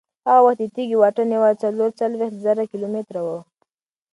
هغه وخت د تېږې واټن یوازې څلور څلوېښت زره کیلومتره و.